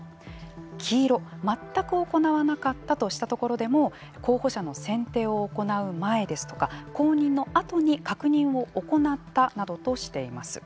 黄色、全く行わなかったとしたところでも候補者の選定を行う前ですとか公認のあとに確認を行ったなどとしています。